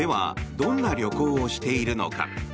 どんな旅行をしているのか。